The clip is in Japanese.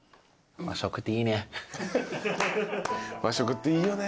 和食っていいよね。